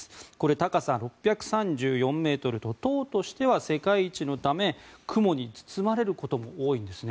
高さ６３４ｍと塔としては世界一のため雲に包まれることも多いんですね。